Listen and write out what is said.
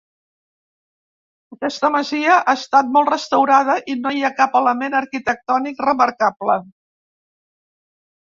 Aquesta masia ha estat molt restaurada i no hi ha cap element arquitectònic remarcable.